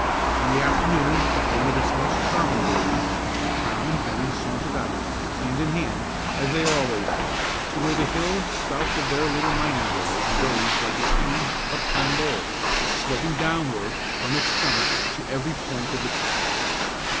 On the afternoon of one of its most charming days, Tom and Bennie sauntered out, hand in hand, as they always went, to where the hill, south of their little mining village, rose like a huge, upturned bowl, sloping downward from its summit to every point of the compass.